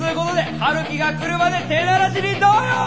陽樹が来るまで手慣らしにどうよ？